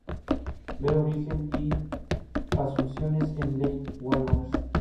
Ver Origen y asunciones en "Ley de Walras".